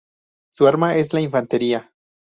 Su arma es la Infantería.